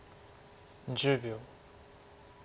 １０秒。